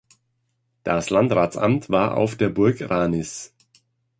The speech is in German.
Das Landratsamt war auf der Burg Ranis.